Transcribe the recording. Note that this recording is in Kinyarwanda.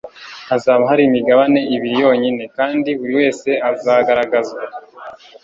hazaba hari imigabane ibiri yonyine kandi buri wese azagaragazwa